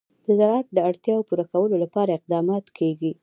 د زراعت د اړتیاوو پوره کولو لپاره اقدامات کېږي.